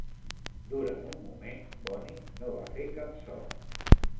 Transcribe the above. Durant un moment, Bonnie no va fer cap so.